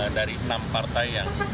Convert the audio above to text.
dari enam partai yang